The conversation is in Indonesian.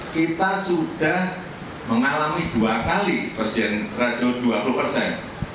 kita sudah mengalami dua kali presiden threshold dua puluh persen